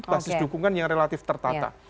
basis dukungan yang relatif tertata